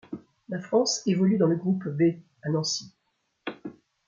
La France évolue dans le groupe B à Nancy.